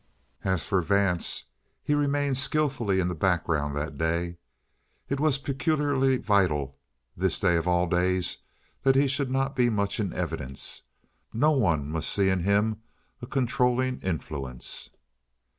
As for Vance, he remained skillfully in the background that day. It was peculiarly vital, this day of all days, that he should not be much in evidence. No one must see in him a controlling influence.